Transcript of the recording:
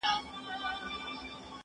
زه به سبا د يادښتونه بشپړوم!!